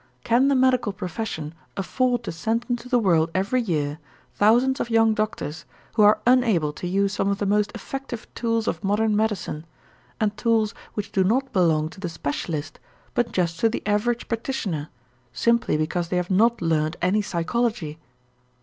Can the medical profession afford to send into the world every year thousands of young doctors who are unable to use some of the most effective tools of modern medicine, and tools which do not belong to the specialist but just to the average practitioner, simply because they have not learned any psychology?